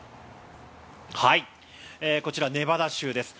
こちら、ネバダ州です。